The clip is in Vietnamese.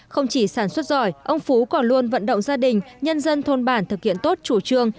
không chỉ sản xuất giỏi ông phú còn luôn vận động gia đình nhân dân thôn bản thực hiện tốt chủ trương